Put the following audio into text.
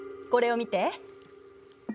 これを見て。